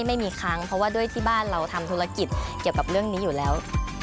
ไม่มีครั้งเพราะว่าด้วยที่บ้านเราทำธุรกิจเกี่ยวกับเรื่องนี้อยู่แล้ว